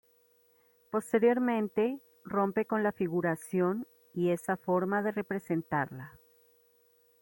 Posteriormente rompe con la figuración y esa forma de representarla.